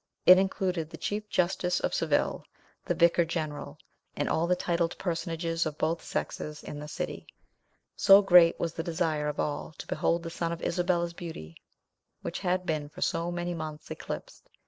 It included the chief justice of Seville, the vicar general, and all the titled personages of both sexes in the city, so great was the desire of all to behold the sun of Isabella's beauty, which had been for so many months eclipsed.